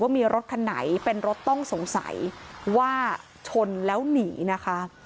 มีรถคันไหนเป็นรถต้องสงสัยว่าชนแล้วหนีนะคะ